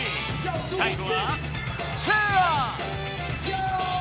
さい後はチェア！